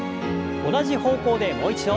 同じ方向でもう一度。